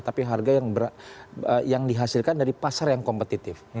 tapi harga yang dihasilkan dari pasar yang kompetitif